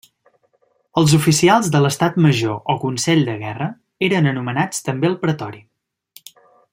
Els oficials de l'estat major o consell de guerra eren anomenats també el pretori.